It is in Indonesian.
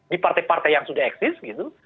di partai partai yang sudah eksis gitu